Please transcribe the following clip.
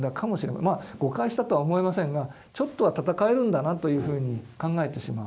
まあ誤解したとは思えませんがちょっとは戦えるんだなというふうに考えてしまう。